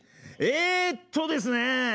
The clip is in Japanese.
えっとですね。